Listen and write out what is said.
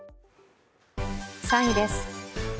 ３位です。